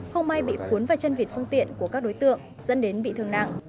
không may bị cuốn vào chân vịt phương tiện của các đối tượng dẫn đến bị thương nặng